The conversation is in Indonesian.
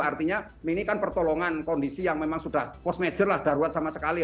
artinya ini kan pertolongan kondisi yang memang sudah post major lah darurat sama sekali